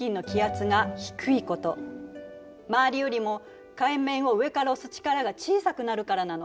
周りよりも海面を上から押す力が小さくなるからなの。